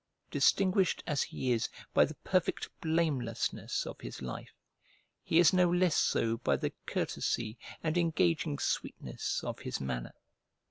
Distinguished as he is by the perfect blamelessness of his life, he is no less so by the courtesy and engaging sweetness of his manner.